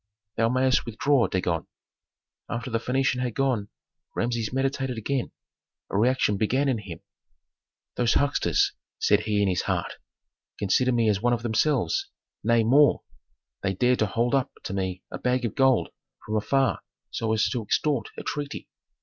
Thou mayst withdraw, Dagon." After the Phœnician had gone, Rameses meditated again; a reaction began in him, "Those hucksters," said he in his heart, "consider me as one of themselves, nay more, they dare to hold up to me a bag of gold from afar so as to extort a treaty!